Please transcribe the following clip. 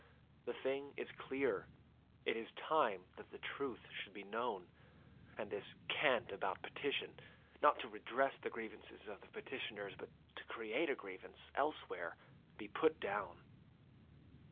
The thing is clear. It is time that the truth should be known, and this cant about petition, not to redress the grievances of the petitioners, but to create a grievance elsewhere, be put down....